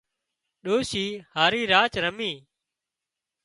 ڏوشي هاري راچ رمي